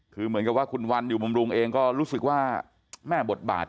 คือเหมือนกับว่าคุณวันอยู่บำรุงเองก็รู้สึกว่าแม่บทบาท